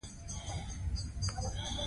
ملي یووالی د بریا کیلي ده.